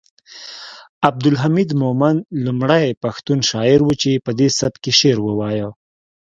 عبدالحمید مومند لومړی پښتون شاعر و چې پدې سبک یې شعر وایه